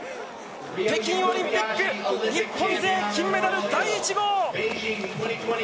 北京オリンピック日本勢金メダル第１号！